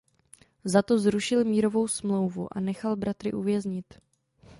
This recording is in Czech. Za to zrušil mírovou smlouvu a nechal bratry uvěznit.